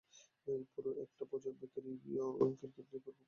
পুরো একটা প্রজন্মের কাছে ক্যারিবীয় ক্রিকেট নিয়ে গর্ব করার কিছুই নেই।